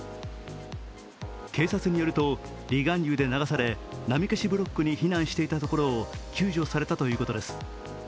警察によると離岸流で流され、波消しブロックに避難していたところを救助されたということです。